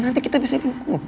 nanti kita bisa dihukum